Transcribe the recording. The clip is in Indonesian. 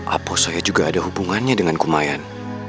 atau saya juga ada hubungannya dengan kumayan